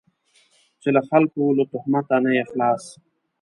چې له خلکو له تهمته نه یې خلاص.